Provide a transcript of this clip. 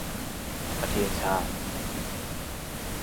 ประเทศชาติ